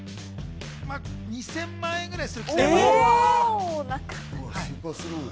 ２０００万円ぐらいする機材。